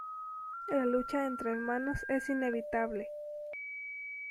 La lucha entre hermanos es inevitable.